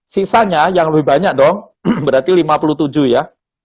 sisanya yang lebih banyak dong berarti lima puluh tujuh ya